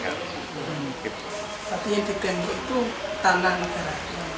artinya di gendut itu tanah negara